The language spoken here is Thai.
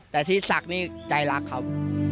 แต่ที่ศักดิ์นี่ใจรักครับ